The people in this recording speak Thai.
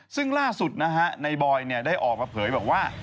ซึ่งล่าสุดนะฮะในบอยได้ออกมาเผยบอกว่า